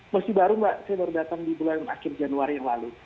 masih baru mbak saya baru datang di bulan akhir januari yang lalu